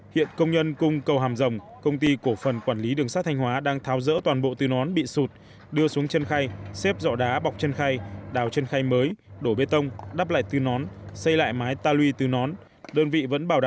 hiện công nhân cung cầu hàm rồng công ty cổ phần quản lý đường sát thanh hóa đang tháo rỡ toàn bộ tư nón bị sụt đưa xuống chân khay xếp dọ đá bọc chân khay đào chân khay mới đổ bê tông đắp lại tư nón xây lại mái tàu ly tư nón